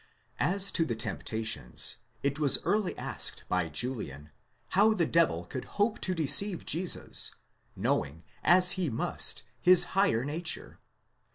§ As to the temptations, it was early asked by Julian, how the devil could hope to deceive Jesus, knowing, as he must, his higher nature??